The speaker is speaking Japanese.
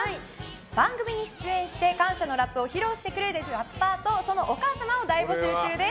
番組に出演して感謝のラップを披露してくれるラッパーとそのお母様を大募集中です。